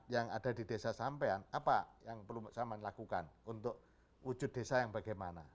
yang ada di desa sampean apa yang perlu saman lakukan untuk wujud desa yang bagaimana